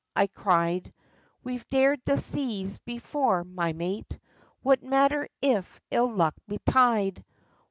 '' I cried, *^ We've dared the seas before, my mate. What matter if ill luck betide